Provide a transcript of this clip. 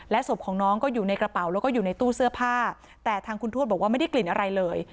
ศพของน้องก็อยู่ในกระเป๋าแล้วก็อยู่ในตู้เสื้อผ้าแต่ทางคุณทวดบอกว่าไม่ได้กลิ่นอะไรเลย